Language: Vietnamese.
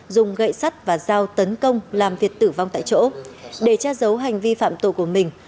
dùng gậy sắt và dao tấn công làm việt tử vong tại chỗ để che giấu hành vi phạm tội của mình